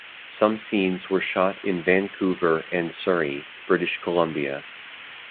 Some scenes were shot in Vancouver and Surrey, British Columbia.